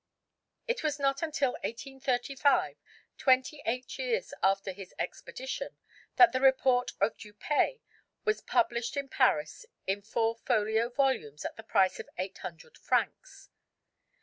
It was not until 1835, twenty eight years after his expedition, that the report of Dupaix was published in Paris in four folio volumes at the price of eight hundred francs.